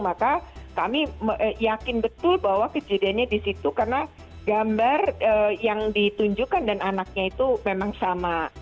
maka kami yakin betul bahwa kejadiannya di situ karena gambar yang ditunjukkan dan anaknya itu memang sama